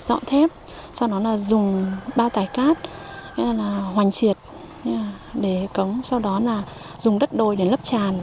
dọn thép sau đó là dùng bao tải cát hoành triệt để cống sau đó là dùng đất đôi để lấp tràn